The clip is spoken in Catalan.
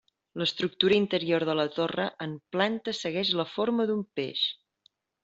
L'estructura interior de la torre en planta segueix la forma d'un peix.